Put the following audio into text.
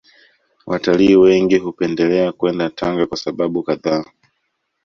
Watalii wengi hupendelea kwenda Tanga kwa sababu kadhaa